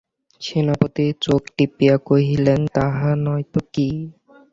সেনাপতি চোখ টিপিয়া কহিলেন, তাহা নয় তো কী।